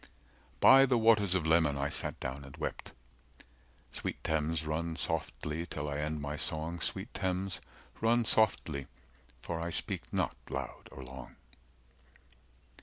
By the waters of Leman I sat down and wept… Sweet Thames, run softly till I end my song, Sweet Thames, run softly, for I speak not loud or long.